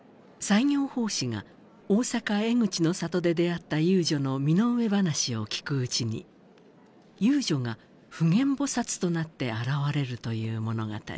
西行法師が大坂江口の里で出会った遊女の身の上話を聞くうちに遊女が普賢菩となって現れるという物語。